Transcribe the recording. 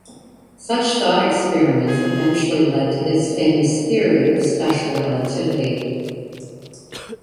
Such thought experiments eventually led to his famous theory of special relativity.